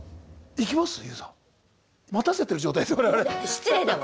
失礼だわ！